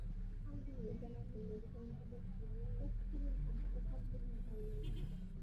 আইনজীবীরা জানিয়েছেন, দোষ প্রমাণ হলে তেজপালের কমপক্ষে সাত বছরের কারাদণ্ড হতে পারে।